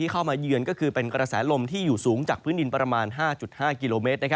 มาเยือนก็คือเป็นกระแสลมที่อยู่สูงจากพื้นดินประมาณ๕๕กิโลเมตร